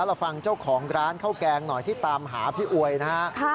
เราฟังเจ้าของร้านข้าวแกงหน่อยที่ตามหาพี่อวยนะฮะ